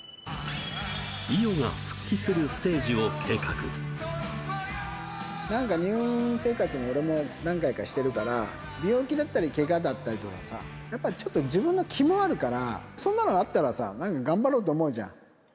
伊代が復帰するステージを計なんか入院生活、俺も何回かしてるから、病気だったりけがだったりとかさ、やっぱりちょっと自分の気もあるから、そんなのがあったらさ、なんか頑張ろうと思うじゃん。